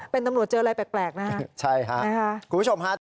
เป็นตำรวจเจออะไรแปลกนะฮะใช่ค่ะคุณผู้ชมฮะ